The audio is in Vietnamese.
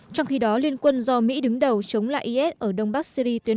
trong khi đó liên quân do mỹ đứng đầu chống lại is ở đông bắc syri tiến